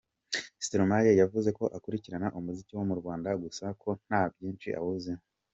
Stromae yavuze ko akurikirana umuziki wo mu Rwanda gusa ko nta byinshi awuziho.